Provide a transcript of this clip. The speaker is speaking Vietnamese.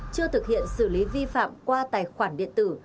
chưa thực hiện xử lý vi phạm qua tài khoản điện tử